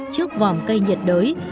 trước vòng cây nhiệt đới